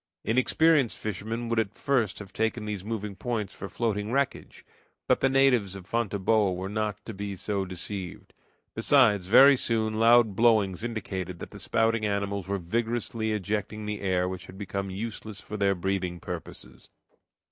Inexperienced fishermen would at first have taken these moving points for floating wreckage, but the natives of Fonteboa were not to be so deceived. Besides, very soon loud blowings indicated that the spouting animals were vigorously ejecting the air which had become useless for their breathing purposes.